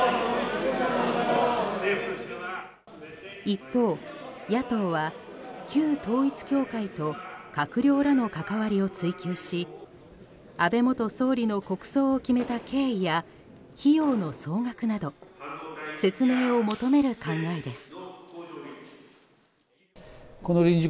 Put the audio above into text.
一方、野党は旧統一教会と閣僚らの関わりを追及し安倍元総理の国葬を決めた経緯や費用の総額など説明を求める考えです。